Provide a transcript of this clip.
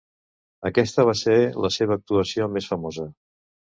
Aquesta va ser la seva actuació més famosa.